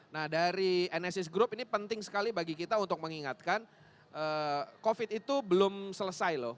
nah dari nsis group ini penting sekali bagi kita untuk mengingatkan covid itu belum selesai loh